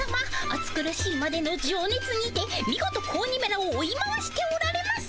暑苦しいまでのじょうねつにてみごと子鬼めらを追い回しておられます。